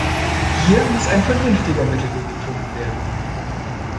Hier muss ein vernünftiger Mittelweg gefunden werden.